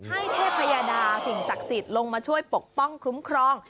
เทพยาดาสิ่งศักดิ์สิทธิ์ลงมาช่วยปกป้องคุ้มครอง